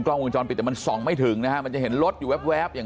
ล้อวงจรปิดแต่มันส่องไม่ถึงนะฮะมันจะเห็นรถอยู่แวบอย่าง